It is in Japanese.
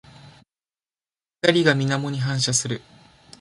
光が水面に反射する。